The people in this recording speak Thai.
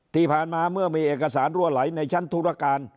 ที่ผ่านมาเมื่อมีเอกสารรั่วไหลในชั้นธุรการ